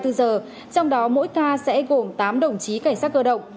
trong đó mỗi ca sẽ gồm tám đồng chí cảnh sát cơ động